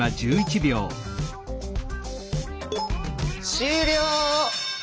終了！